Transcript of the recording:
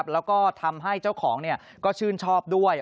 แล้วก็ทำให้เจ้าของก็ชื่นชอบด้วย